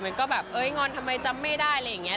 มันก็แบบเอ้ยงอนทำไมจำไม่ได้อะไรอย่างนี้